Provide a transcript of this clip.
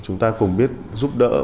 để chúng ta cùng biết giúp đỡ và đoàn hành